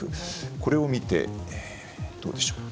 これを見て、どうでしょう。